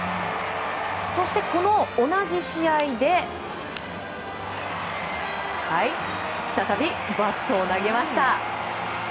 そして同じ試合で再びバットを投げました。